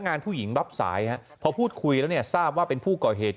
งานผู้หญิงรับสายฮะพอพูดคุยแล้วเนี่ยทราบว่าเป็นผู้ก่อเหตุ